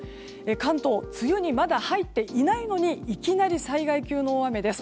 関東梅雨にまだ入っていないのにいきなり災害級の大雨です。